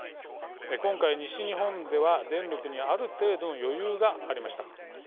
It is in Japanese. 今回、西日本では電力にある程度の余裕がありました。